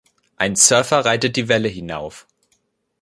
ein Surfer reitet die Welle hinauf.